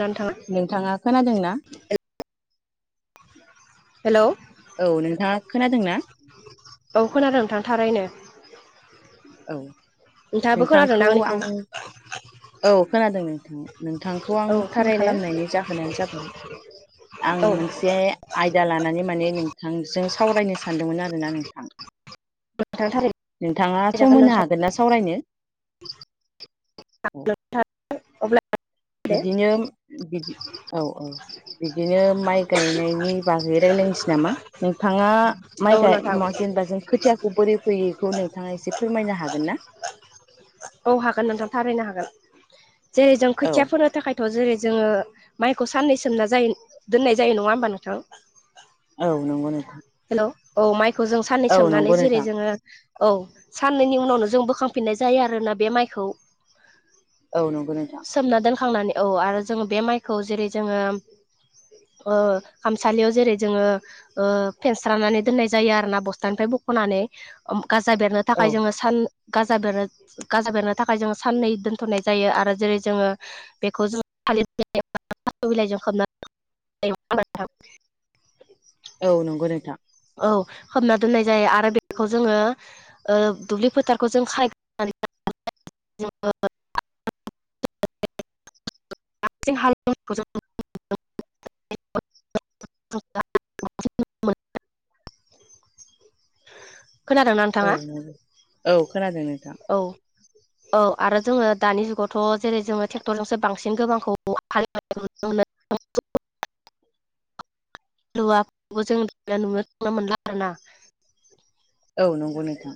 नोंथां नोंथाङा खोनादोंना हेल' औ नोंथाङा खोनादोंना औाव खोनादों नोंथां थारैनो औ नोंथाङाबो खोनादोंना नोंथांखौ आंनिखौ आं औ खोनादों नोंथां नोंथांखौ आं औ फन थारैनो खालामनायनि जाहोनानो जाबाय आं औ मोनसे आयदा लानानै माने नोंथांजों सावरायनो सानदोंमोन आरोना नोंथां नोंथां थारैनो नोंथाङा सावरायजागोन सम होनो हागोन ना सावरायनो हागोन औ नोंथां अब्ला बिदिनो बिदि औ औ बिदिनो माइ गायनायनि बागै रायलायनोसै नामा नोंथाङा औ माइ गाय नोंथां मोनसे जेनेबा जों खोथियाखौ बोरै बोयो बेखौ नोंथाङा एसे फोरमायनो हागोन ना औ हागोन नोंथां थारायनो हागोन जेरै जों औ खोथिया फोनो थाखायथ' जेरै जोङो माइखौ साननै सोमना जायो दोननाय जायो नङा होमबा नोंथां औ नंगौ नोंथां हेलौ औ माइखौ जों साननै औ सोमनानै नंगौ जेरै नोंथां जोङो औ साननैनि उनावनो जों बोखांफिननाय जायो आरोना बे माइखौ औ नंगौ नोंथां सोमना दोनखांनानै औ आरो जोङो बे माइखौ जेरै जोङो खामसालियाव जेरै जोङो फेनस्रानानै दोननाय जायो आरोना बस्थानिफ्राय बख नानै गाजा बेरनो औ थाखाय जोङो सानानो गाजा बेरनो थाखाय जोङो साननै दोनथ'नाय जायो आरो जेरै जोङो बेखौ जों थास बिलाइ जों खोबना दोननाय जायो। औ नंगौ नोंथां औ खोबना दोननाय जायो आरो बेखौ जोङो दुब्लि फोथारखौ जों सायख'नानै [inaudible] जोंङो बां हाल [unintelligible] [unintelligible] [inaudible] खोनादोंना औ नोंथाङा नंगौ औ खोनादों नोंथां। औ औ आरो जोङो दानि जुगावथ' जेरै जोङो ट्रेक्टरजोंसो बांसिन गोबांखौ हालिवनाय नुनो मोनो। [unintelligible] हालुवाबो जों नुनो थांनो मोनला आरोना। औ नंगौ नोंथां।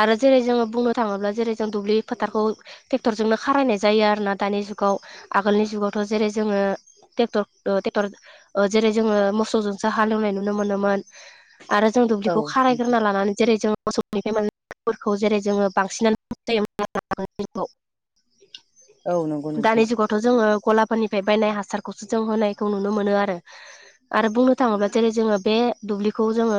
आरो जेरै जोङो बुंनो थाङोब्ला जेरै जों दुब्लि फोथारखौ ट्रेक्टरजोंनो खारायनाय जायो आरो ना दानिया बै जुगाव आगोलनि जुगावथ' जेरै जोङो ट्रेक्टरखौथ ट्रेक्टर जेरै जोङो मोसौजोंसो हालेवनाय नुनो मोनोमोन। आरो जों औ दुब्लिखौ खारायग्रोना लानानै जेरै जों मोसौ [unintelligible] जेरै जोङो बांसिनानो ज औ नंगौ दानि नोंथां जुगावथ' जोङो गलाफोरनिफ्राय बायनाय हासारखौसो जों होनायखौ नुनो मोनो आरो आरो बुंनो थाङोब्ला जेरै जोङो बे दुबलिखौ जोङो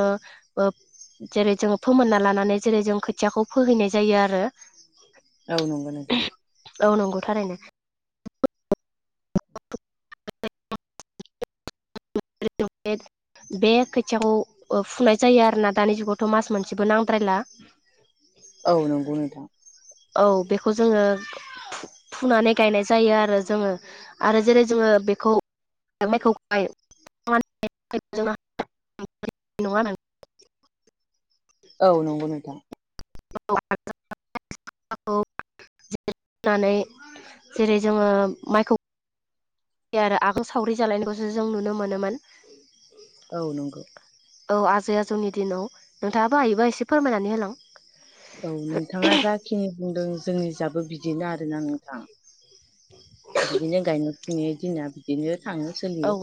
जेरै जोंङो फोमोननानै लानानै जेरै जों खोथियाखौ फोहैनाय जायो आरो। औ नंगौ नोंथां औ नंगौ थारैनो ज [unintelligible] बे खोथियाखौ फुंनाय जायो आरोना दानि जुगावथ' मास मोनसेबो नांद्रायला औ नंगौ नोंथां औ बेखौ जोङो फुनानै गायनाय जायो आरो जोङो आरो जेरै जोङो बेखौ माइखौहाय [unintelligible] औ नंगौ नोंथां औ [unintelligible] जेरै जोङो माइखौ आरो आगोल सावरि जालायनायखौसो जों नुनो मोनोमोन। औ नंगौ औ आजै आजौनि दिनाव नोंथाङाबो हायोबा एसे फोरमायनानै होलां औ नोंथाङा जाखिनि बुंदों जोंनि जाबो बिदिनो आरोना नोंथां बिदिनो गायनाय फुनाय दिना बिदिनो औ सोलियो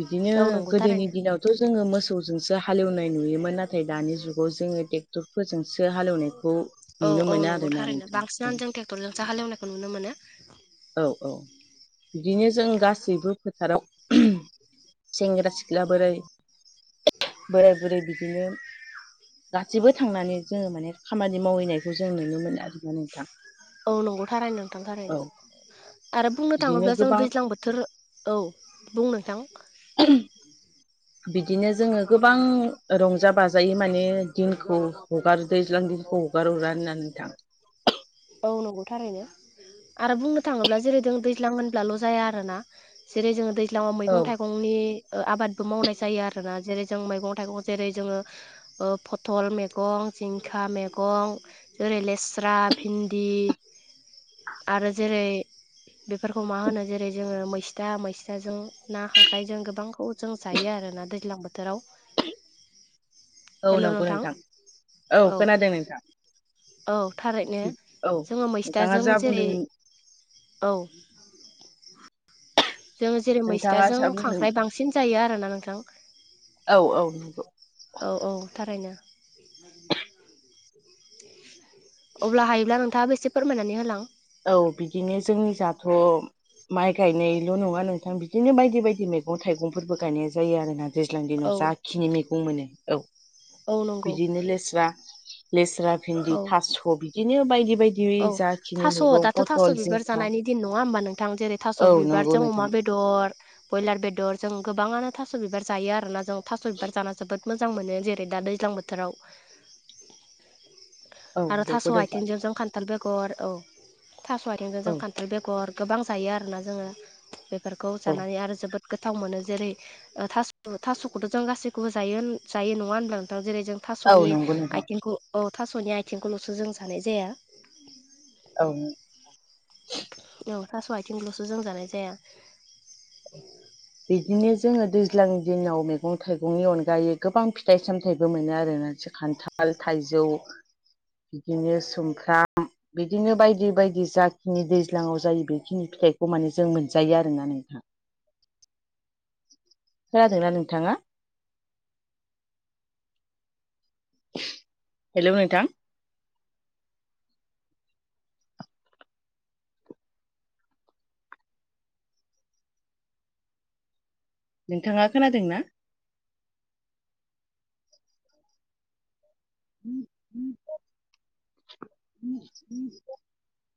बिदिनो औ नंगौ गोदोनि थारैनो दिनाव' जोंङो मोसौ जोंसो हालेवनाय नुयोमोन नाथाय दानि जुगाव जोङो ट्रेक्टरफोरजोंसो हालेवनाय औ औ नंगौ थारैनो औ बांसिनानो जों ट्रेक्टरजों सो हालेवनायखौ नुनो मोनो। औ औ बिदिनो जों गासैबो फोथाराव सेंग्रा सिख्ला बोराय बोराय बुरै बिदिनो गासैबो थांनानै जोङो माने खामानि मावहैनायखौ जों नुनो मोनो आरोना नोंथां। औ नंगौ थारैनो नोंथां औ थारैनो आरो बुंनो बिदिनो थाङोब्ला जों गोबां दैज्लां बोथोर औ बुं नोंथां [unintelligible] बिदिनो जोङो गोबां रंजा बाजायै माने दिनखौ हगारो दैज्लां दै हगार हरा होनना नोंथां औ नंगौथारैनो आरो बुंनो थाङोब्ला जेरै जों दैज्लां होनब्लाल' जाया आरोना जेरै जोङो दैज्लां आव औ मैगं थाइगंनि आबादबो मावनाय जायो आरोना जेरै जों मैगं थाइगं जेरै जोङो फथल मैगं जिंखा मैगं जेरै लेस्रा भिन्दि आरो जेरै बेफोरखौ मा होनो जेरै जोङो मैस्था मैस जों ना खांख्रायजों गोबांखौ जों जायो आरो ना दैज्लां बोथोराव औ हेल' नंगौ नोंथां औ खोनादों नोंथां औ थारैनो औ जोङो नोंथाङा मैस्थाजों जा जेरै बुंदों औ जों जेरै नोंथाङा मैस्थाजों जा बुंदों खांख्राइ बांसिन जायो आरोना नोंथां औ औ थारैनो अब्ला हायोब्ला नोंथाङाबो बेसे फोरमायनानै होलां औ बिदिनो जोंनि जाथ' माइ गायनायल' नङा नोंथां बिदिनो बायदि बायदि मैगं थाइगंफोरबो गायनाय जायो आरोना दैज्लांनि दिनाव औ जाखिनि मैगं मोनो औ औ नंगौ बिदिनो लेस्रा खुद्रा भिन्दि औ थास' बिदिनो बायदि बायदि जाखिनि मैगं अ दाथ' थास' पथल बिबार जिंखा जानायनि दिन नङा होमबा नोंथां जेरै थास' औ नंगौ बिबारजों अमा नोंथां बेदर ब्रयलार बेदर जों गोबाङानो थास' बिबार जायो आरोना जों थास' बिबार जाना जोबोद मोजां मोनो जेरै दा दैज्लां बोथोराव औ आरो थास' नंगौ नोंथां आथिंजोंजों खान बेगर औ थास' आारिंजों जों औ खान्थाल बेगर गोबां जायो आरोना जोङो बे फोरखौ औ जानानै आरो जोबोद गोथाव मोनो जेरै थास' थास'खौथ' जों गासैखौबो जायो जायो नङा होनब्ला नोंथां जेरै जों औ थास'नि नंगौ नोंथां आथिंखौ औ थास'नि आइथिंखौल'सो जों जानाय जाया [inaudible] औ थास' आथिंलसो जों जानाय जाया। बिदिनो जोङो दैज्लां दिनाव मैगं थाइगंनि अनगायै गोबां फिथाइ सामथायाइबो मोनो आरोना सो खान्थाल ल, थाइजौ बिदिनो सुमफ्राम बिदिनो बायदि बायदि जाखिनि दैज्लाङाव जायो बेखिनि फिथाइखौ माने जों मोनजायो आरो ना नोंथां खोनादोंना नोंथाङा? [inaudible] हेल' नोंथां नोंथाङा खोनादों ना? [inaudible]